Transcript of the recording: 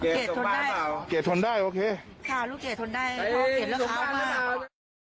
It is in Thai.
เกรดทนได้เกรดทนได้โอเคค่ะลูกเกรดทนได้เพราะเกรดรักเขามาก